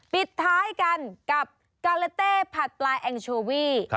ปิดท้ายกันกับกาเลเต้ผัดปลาแองโชวี่